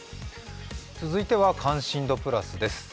続いては「関心度プラス」です。